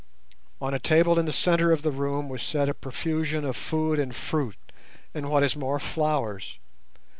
On a table in the centre of the room was set a profusion of food and fruit, and, what is more, flowers.